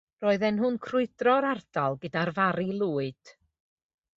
Roedden nhw'n crwydro'r ardal gyda'r Fari Lwyd.